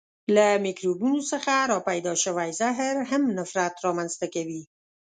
له میکروبونو څخه را پیدا شوی زهر هم نفریت را منځ ته کوي.